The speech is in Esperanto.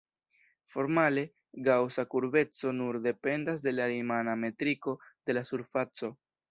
Formale, gaŭsa kurbeco nur dependas de la rimana metriko de la surfaco.